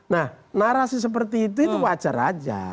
nah narasi seperti itu itu wajar aja